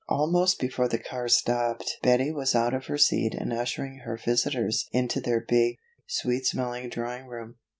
Almost before the car stopped Betty was out of her seat and ushering her visitors into their big, sweet smelling drawing room.